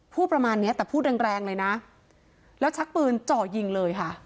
พูดประมาณเนี้ยแต่พูดแรงแรงเลยนะแล้วชักปืนจ่อยิงเลยค่ะ